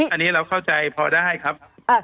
อันนี้เราเข้าใจพอได้ครับ